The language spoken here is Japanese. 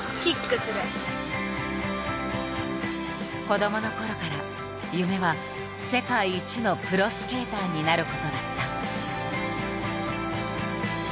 子どものころから夢は世界一のプロスケーターになることだった。